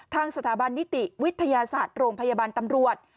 ทางสถาบันนิติวิทยาศาสตร์โรงพยาบาลตำรวจ